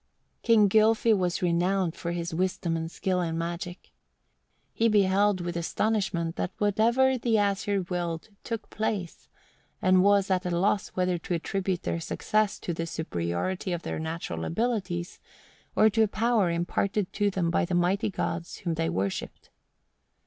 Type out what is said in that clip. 2. King Gylfi was renowned for his wisdom and skill in magic. He beheld with astonishment that whatever the Æsir willed took place; and was at a loss whether to attribute their success to the superiority of their natural abilities, or to a power imparted to them by the mighty gods whom they worshipped.